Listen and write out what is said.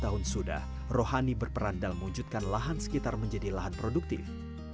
dua puluh tahun sudah rohani berperan dalam wujudkan lahan sekitar menjadi lahan produktif